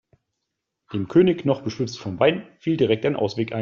Dem König, noch beschwipst vom Wein, fiel direkt ein Ausweg ein.